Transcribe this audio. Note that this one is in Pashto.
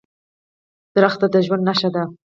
ونې د ژوند نښه ده.